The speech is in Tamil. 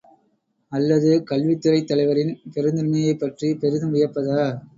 அல்லது, கல்வித்துறைத் தலைவரின் பெருந்தன்மையைப் பற்றிப் பெரிதும் வியப்பதா?